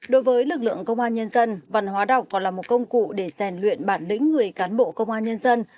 đối với lực lượng công an nhân dân văn hóa đọc còn là một công cụ để rèn luyện bản lĩnh người cán bộ công an nhân dân